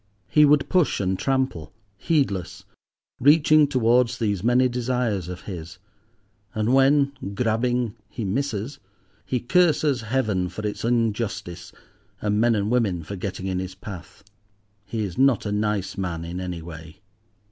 He would push and trample, heedless, reaching towards these many desires of his; and when, grabbing, he misses, he curses Heaven for its injustice, and men and women for getting in his path. He is not a nice man, in any way.